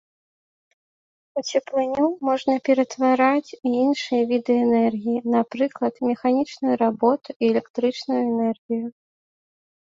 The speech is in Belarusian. У цеплыню можна ператвараць і іншыя віды энергіі, напрыклад механічную работу і электрычную энергію.